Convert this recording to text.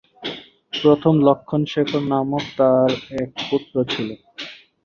প্রথম লক্ষ্মণ শেখর নামক তার এক পুত্র ছিল।